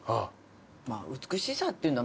まあ美しさっていうのは。